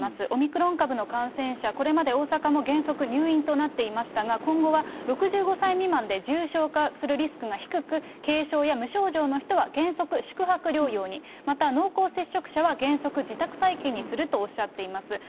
オミクロン株の感染者、これまで大阪も原則入院となっていましたが、今後は６５歳未満で重症化するリスクが低く、軽症や無症状の人は原則、宿泊療養に、また濃厚接触者は原則自宅待機にするとおっしゃっています。